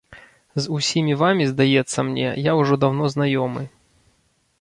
З усімі вамі, здаецца мне, я ўжо даўно знаёмы.